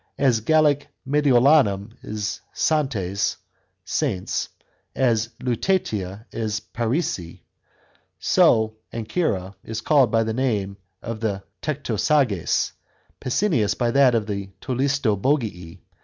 As Gallic Mediolanum is Santones (Saintes), as Lutetia is Parisii, so Ancyra is called by the name of the Tectosages, Pessinus by that of the Tolistobogii.